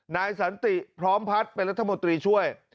นายสันติพร้อมพัฒน์เป็นรัฐมนตรีช่วย